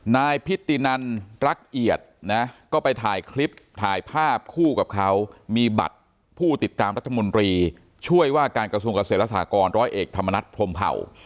นายพิธีนันรักเอียดนะก็ไปถ่ายคลิปถ่ายภาพคู่กับเขามีบัตรผู้ติดตามรัฐมนตรีช่วยว่าการกระทรวงเกษตรและสหกรร้อยเอกธรรมนัฐพรมเผ่า